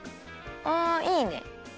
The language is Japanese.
あいいね！